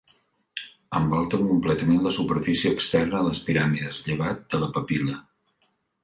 Envolten completament la superfície externa de les piràmides, llevat de la papil·la.